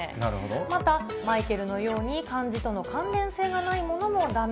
また、マイケルのように漢字との関連性がないものもだめ。